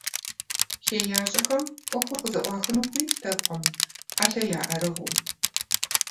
Хеящӏэхэм ӏуэхур къызэӏуахыну хуиттэкъым, ӏэлъэ яӏэрыгъыу.